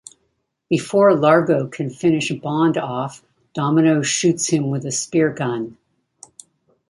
Before Largo can finish Bond off Domino shoots him with a spear gun.